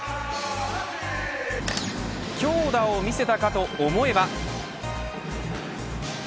強打を見せたかと思えば。